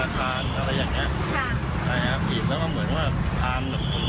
ทางคนเดินไปเดินมาทางไปทั่วมีเห็นอาวุธหรืออะไรไหมครับมีเห็น